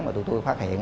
mà tụi tôi phát hiện